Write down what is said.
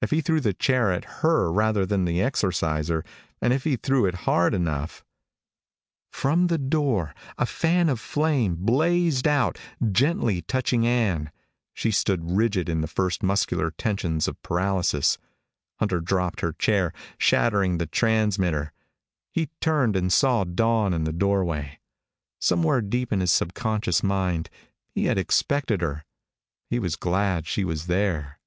If he threw the chair at her rather than the Exorciser and if he threw it hard enough From the door a fan of flame blazed out, gently touching Ann. She stood rigid in the first muscular tension of paralysis. Hunter dropped the chair, shattering the transmitter. He turned and saw Dawn in the doorway. Somewhere deep in his subconscious mind he had expected her. He was glad she was there.